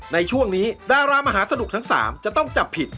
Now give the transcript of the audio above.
ในช่วงนี้ดารามหาสนุกทั้ง๓จะต้องจับผิด